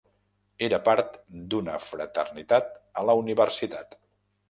Era part d'una fraternitat a la universitat.